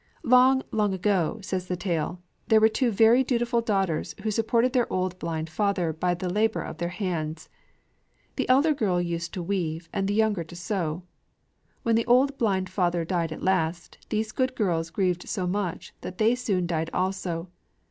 Long, long ago, says the tale, there were two very dutiful daughters who supported their old blind father by the labor of their hands. The elder girl used to weave, and the younger to sew. When the old blind father died at last, these good girls grieved so much that they soon died also.